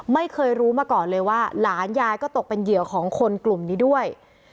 ไม่เคยรู้มาก่อนเลยว่าหลานยายก็ตกเป็นเหยื่อของคนกลุ่มนี้ด้วย